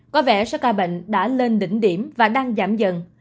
có vẻ raka bệnh đã lên đỉnh điểm và đang giảm dần